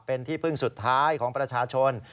เป็นที่พึ่งสุดท้ายของประชาชน